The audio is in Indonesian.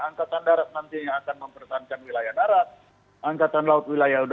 angkatan darat nantinya akan mempertahankan wilayah darat